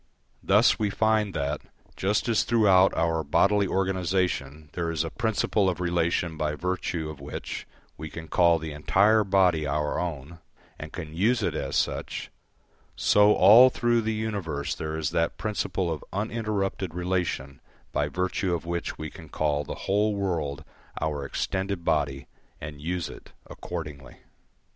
Thus we find that, just as throughout our bodily organisation there is a principle of relation by virtue of which we can call the entire body our own, and can use it as such, so all through the universe there is that principle of uninterrupted relation by virtue of which we can call the whole world our extended body and use it accordingly.